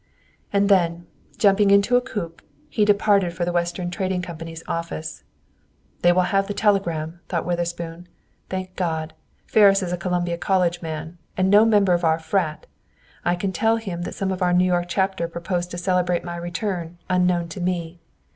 And then, jumping into a coupé, he departed for the Western Trading Company's office. "They will have the telegram," thought Witherspoon. "Thank God! Ferris is a Columbia College man, and no member of our 'frat.' I can tell him that some of our New York chapter proposed to celebrate my return, unknown to me.